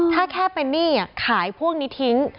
ถ้าแค่เป็นหนี้ขายพวกนี้ทิ้ง